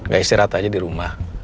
gak istirahat aja di rumah